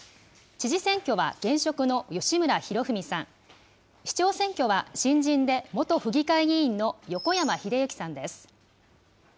知事選挙は現職の吉村洋文さん、市長選挙は、新人で元府議会議員の横山英幸さんです。